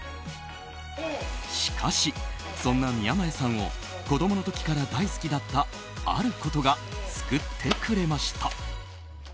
しかし、そんな宮前さんを子供の時から大好きだったあることが救ってくれました。